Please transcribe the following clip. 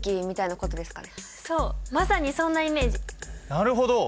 なるほど！